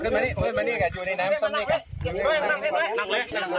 มานี้ล่ะอยู่ในน้ำจำนี้กับ